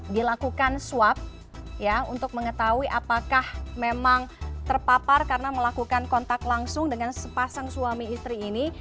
dilakukan swab untuk mengetahui apakah memang terpapar karena melakukan kontak langsung dengan sepasang suami istri ini